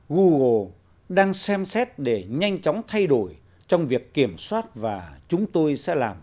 google đang xem xét để nhanh chóng thay đổi trong việc kiểm soát và chúng tôi sẽ làm